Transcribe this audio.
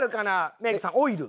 メイクさんオイル。